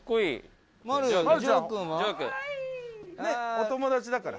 お友達だから。